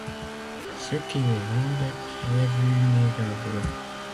Ce qui les rendait très vulnérables.